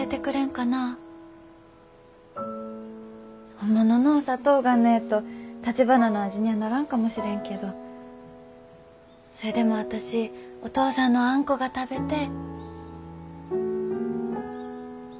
本物のお砂糖がねえとたちばなの味にはならんかもしれんけどそれでも私お父さんのあんこが食べてえ。